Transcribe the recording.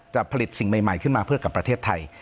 จะผลิตสิ่งใหม่ขึ้นมาเพื่อกับประเทศไทย